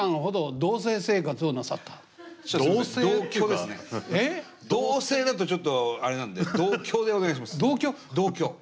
同棲だとちょっとあれなんで同居でお願いします。